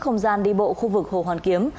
không gian đi bộ khu vực hồ hoàn kiếm